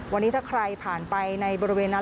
วันนี้ถ้าใครผ่านไปในบริเวณนั้น